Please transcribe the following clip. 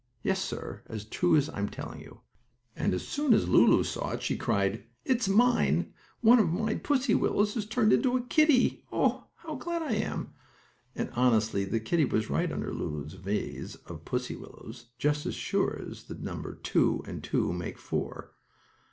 Yes, sir, as true as I'm telling you! And so soon as Lulu saw it she cried: "It's mine! One of my pussy willows has turned into a kittie! Oh, how glad I am!" And, honestly, the kittie was right under Lulu's vase of pussy willows, just as sure as that two and two make four.